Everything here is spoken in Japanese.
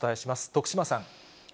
徳島さん。